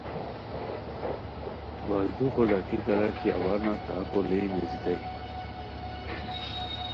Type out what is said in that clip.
بردوخو لاکھیکار اچی اوانہ کاہکو لیے نیزیتا ئے